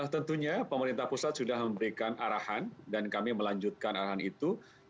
tentunya pemerintah pusat sudah memberikan arahan dan kami melanjutkan arahan itu